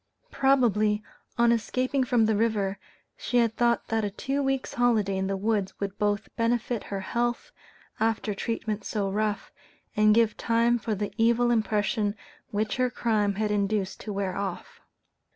Probably, on escaping from the river, she had thought that a two weeks' holiday in the woods would both benefit her health, after treatment so rough, and give time for the evil impression which her crime had induced to wear off.